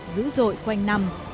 giữ dội quanh năm